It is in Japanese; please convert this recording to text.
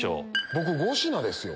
僕５品ですよ。